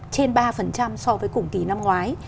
trên ba so với cùng kỳ năm ngoái